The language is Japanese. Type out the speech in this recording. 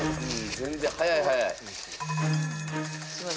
全然速い速い。